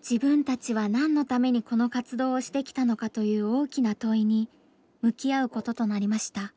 自分たちは何のためにこの活動をしてきたのかという大きな問いに向き合うこととなりました。